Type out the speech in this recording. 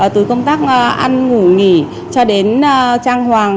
từ công tác ăn ngủ nghỉ cho đến trang hoàng